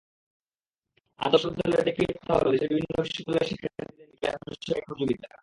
আন্তবিশ্ববিদ্যালয় tech fiesta হলো দেশের বিভিন্ন বিশ্ববিদ্যালয়ের শিক্ষার্থীদের নিয়ে বিজ্ঞানবিষয়ক একটি প্রতিযোগিতা।